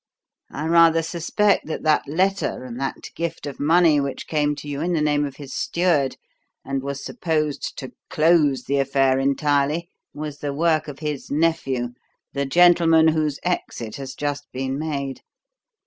I rather suspect that that letter and that gift of money which came to you in the name of his steward, and was supposed to close the affair entirely, was the work of his nephew, the gentleman whose exit has just been made.